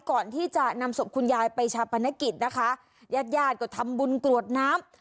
ก่อนที่จะนำศพคุณยายไปชาปนกิจนะคะญาติญาติก็ทำบุญกรวดน้ำ